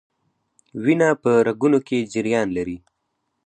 وینه په رګونو کې جریان لري